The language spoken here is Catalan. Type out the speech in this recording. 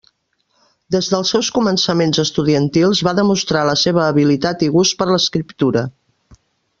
Des dels seus començaments estudiantils va demostrar la seva habilitat i gust per l'escriptura.